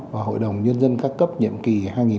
và hội đồng nhân dân ca cấp nhiệm kỳ